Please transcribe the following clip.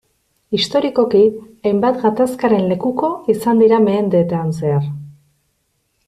Historikoki, hainbat gatazkaren lekuko izan dira mendeetan zehar.